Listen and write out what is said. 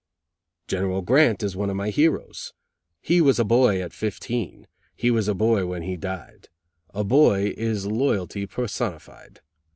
"General Grant is one of my heroes. He was a boy at fifteen. He was a boy when he died. A boy is loyalty personified.